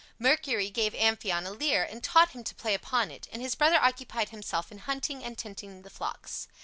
Mercury gave Amphion a lyre and taught him to play upon it, and his brother occupied himself in hunting and tending the flocks.